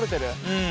うん。